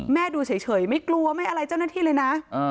ดูเฉยไม่กลัวไม่อะไรเจ้าหน้าที่เลยนะ